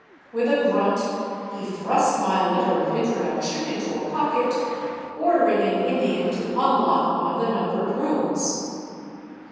With a grunt he thrust my letter of in troduction into a pocket, ordering an Indian to unlock one of the num bered rooms.